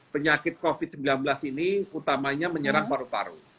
penyakit covid sembilan belas ini utamanya menyerang paru paru